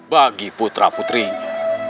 bagi putra putrinya